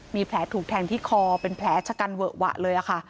มีแผลถูกแทงที่คอเป็นแผลชะกันเวอะหวะเลยค่ะ